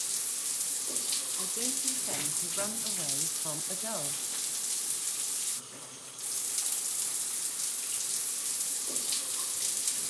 I don't intend to run away from a girl.